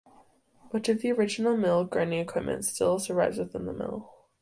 Much of the original mill grinding equipment still survives within the mill.